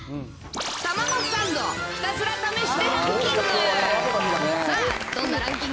たまごサンドひたすら試してランキング。